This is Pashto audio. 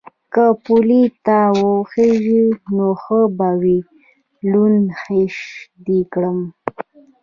_که پولې ته وخېژې نو ښه به وي، لوند خيشت دې کړم.